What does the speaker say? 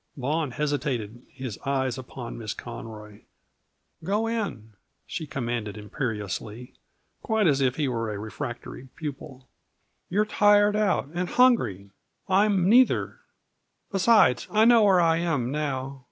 Vaughan hesitated, his eyes upon Miss Conroy. "Go in," she commanded imperiously, quite as if he were a refractory pupil. "You're tired out, and hungry. I'm neither. Besides, I know where I am now.